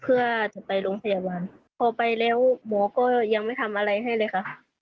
เพื่อจะไปโรงพยาบาลพอไปแล้วหมอก็ยังไม่ทำอะไรให้เลยค่ะ